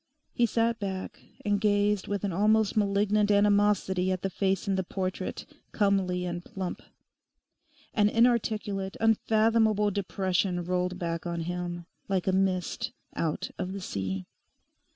He sat back and gazed with an almost malignant animosity at the face in the portrait, comely and plump. An inarticulate, unfathomable depression rolled back on him, like a mist out of the sea.